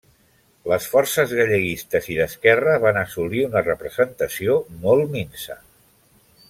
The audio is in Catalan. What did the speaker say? Les forces galleguistes i d'esquerra van assolir una representació molt minsa.